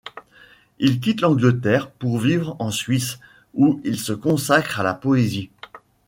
Il quitte l'Angleterre pour vivre en Suisse où il se consacre à la poésie.